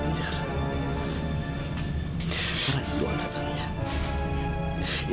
karena itu alasannya